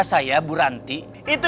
cepet pak rt